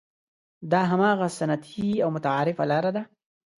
دا هماغه سنتي او متعارفه لاره ده.